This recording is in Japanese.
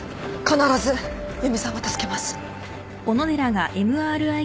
必ず由美さんは助けます。